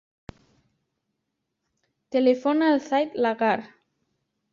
Telefona al Zaid Lagar.